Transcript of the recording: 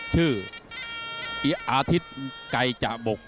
ชื่ออาทิตย์ไก่จะบก